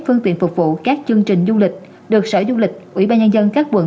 phương tiện phục vụ các chương trình du lịch được sở du lịch ủy ban nhân dân các quận